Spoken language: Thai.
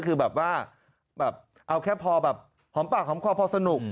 คือแบบว่าเอาแค่ก็พอแบบหอมปากหอมความสนุก